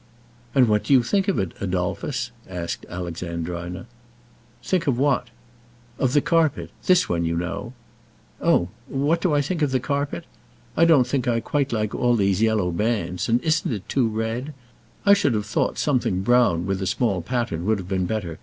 "And what do you think of it, Adolphus?" asked Alexandrina. "Think of what?" "Of the carpet this one, you know!" "Oh what do I think of the carpet? I don't think I quite like all these yellow bands; and isn't it too red? I should have thought something brown with a small pattern would have been better.